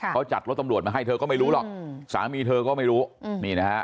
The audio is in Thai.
เขาจัดรถตำรวจมาให้เธอก็ไม่รู้หรอกสามีเธอก็ไม่รู้นี่นะฮะ